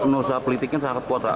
menurut saya politiknya sangat kuat lah